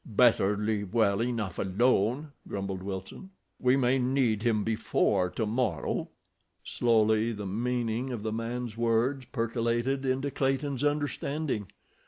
"Better leave well enough alone," grumbled Wilson. "We may need him before tomorrow." Slowly the meaning of the man's words percolated into Clayton's understanding.